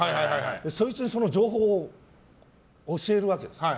そいつにその情報を教えるわけです。